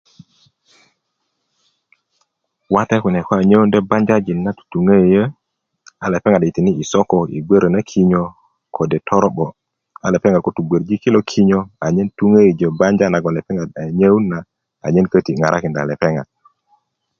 wate kune ko nyöundö banjaji na tutuŋöiyö a lepeŋat iti i soko i bgwörö na kinyö kode toro'bö a lepeŋat ko tubgwörji kilo kinyö anyen tuŋöjo banja nagon lepeŋ a nyöun na anyen köti ŋarakonda lepeŋat